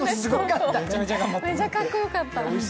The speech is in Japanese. めちゃかっこよかった。